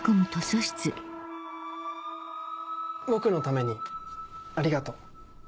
僕のためにありがとう。